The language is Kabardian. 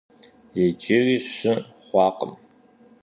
Иджыри щы хъуакъым.